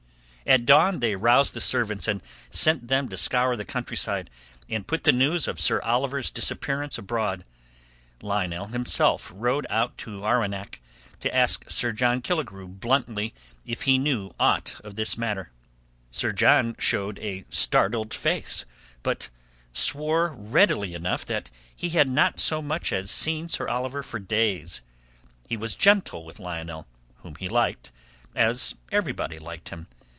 At dawn they roused the servants and sent them to scour the countryside and put the news of Sir Oliver's disappearance abroad. Lionel himself rode out to Arwenack to ask Sir John Killigrew bluntly if he knew aught of this matter. Sir John showed a startled face, but swore readily enough that he had not so much as seen Sir Oliver for days. He was gentle with Lionel, whom he liked, as everybody liked him.